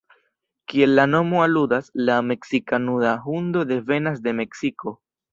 Kiel la nomo aludas, la meksika nuda hundo devenas de Meksiko.